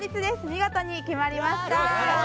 見事に決まりました。